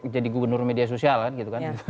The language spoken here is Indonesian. jadi gubernur media sosial kan gitu kan